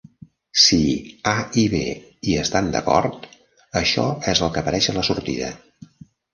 Si "A" i "B" hi estan d"acord, això és el que apareix a la sortida.